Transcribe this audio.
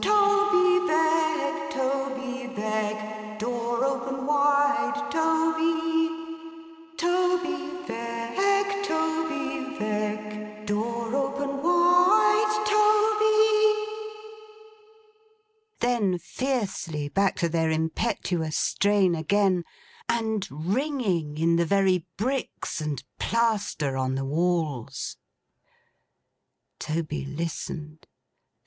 Toby Veck Toby Veck, door open wide Toby, Toby Veck Toby Veck, door open wide Toby—' then fiercely back to their impetuous strain again, and ringing in the very bricks and plaster on the walls. Toby listened.